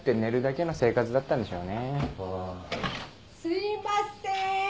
すいません！